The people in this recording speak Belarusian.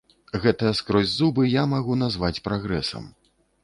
Гэта скрозь зубы я магу назваць прагрэсам.